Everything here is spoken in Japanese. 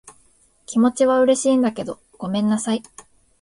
気持ちは嬉しいんだけど、ごめんなさい。